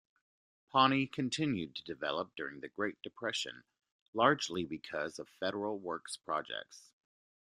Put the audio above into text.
Pawnee continued to develop during the Great Depression, largely because of Federal works projects.